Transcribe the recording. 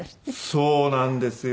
そうなんですよ。